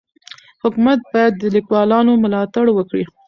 حکومت باید د لیکوالانو ملاتړ وکړي.